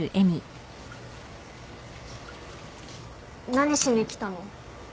何しに来たの？